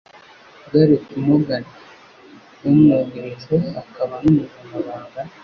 Gareth Morgan, umwungirije akaba n'umunyamabanga,